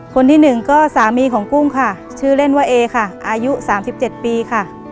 คนที่หนึ่งก็สามีของกุ้งค่ะชื่อเล่นว่าเอค่ะอายุ๓๗ปีค่ะ